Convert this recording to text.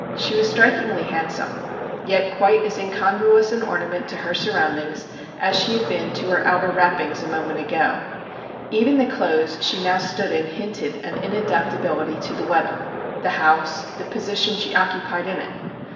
She was strikingly hand some, yet quite as incongruous an ornament to her surroundings as she had been to her MR. JACK HAMLIN'S MEDIATION 5 outer wrappings a moment ago. Even the clothes she now stood in hinted an inadapta bility to the weather the house the position she occupied in it.